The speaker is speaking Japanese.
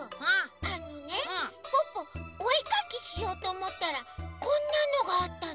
あのねポッポおえかきしようとおもったらこんなのがあったの。